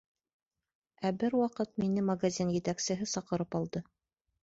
Ә бер ваҡыт мине магазин етәксеһе саҡырып алды.